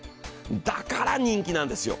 だから人気なんですよ。